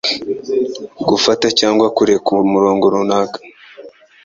gufata cyangwa kureka umurongo runaka